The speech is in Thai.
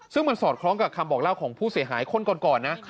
ซึ่งมันสอดคล้องกับคำบอกเล่าของผู้เสียหายคนก่อนนะ